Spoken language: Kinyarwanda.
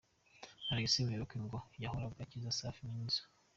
Alexis Muyoboke ngo yahoraga akiza Safi na Nizzo .